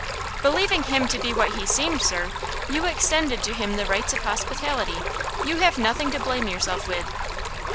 "Believing him to be what he seemed, sir, you extended to him the rights of hospitality; you have nothing to blame yourself with!"